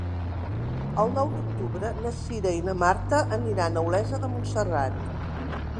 El nou d'octubre na Cira i na Marta aniran a Olesa de Montserrat.